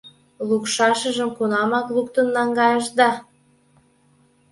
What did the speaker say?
Лукшашыжым кунамак луктын наҥгайышда?